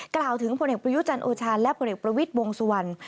กล่าวถึงพลเนกประยุจรรย์โอชาลและพลเนกประวิทย์วงศวร